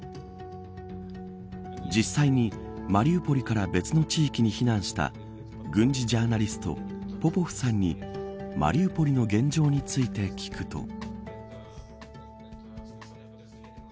実際にマリウポリから別の地域に避難した軍事ジャーナリストポポフさんにマリウポリの現状について聞くと。